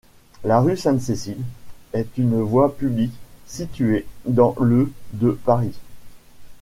La rue Sainte-Cécile est une voie publique située dans le de Paris.